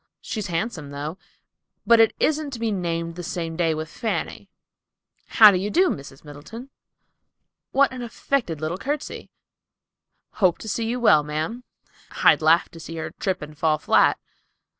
She's handsome, though, but it isn't to be named the same day with Fanny,"—"How do you do, Miss Middleton?"—"What an affected little courtesy!"—"Hope to see you well, ma'am."—"I'd laugh to see her trip and fall flat."